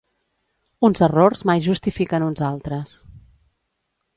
Uns errors mai justifiquen uns altres.